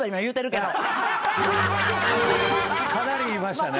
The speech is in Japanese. かなり言いましたね。